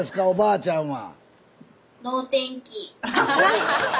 おばあちゃん